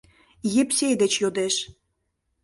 Епсей деч йодеш.